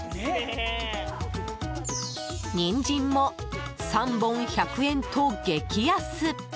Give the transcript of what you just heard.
ニンジンも３本１００円と激安！